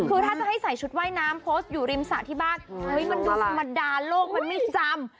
คือถ้าจะให้ใส่ชุดว่ายน้ำโพสต์อยู่ริมสระที่บ้านเฮ้ยมันดูธรรมดาโลกมันไม่จำ